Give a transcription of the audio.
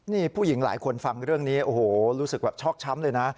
นี่ผู้หญิงหลายคนฟังเรื่องนี้โอ้โหรู้สึกแบบชอกช้ำเลยนะ